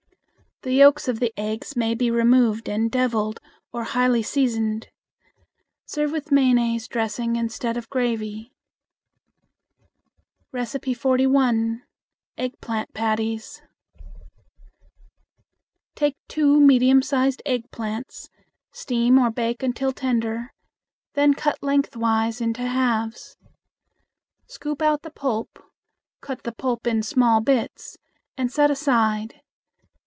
The yolks of the eggs may be removed and deviled or highly seasoned. Serve with mayonnaise dressing instead of gravy. 41. Eggplant Patties. Take two medium sized eggplants, steam or bake until tender; then cut lengthwise into halves. Scoop out the pulp, cut the pulp in small bits and set aside.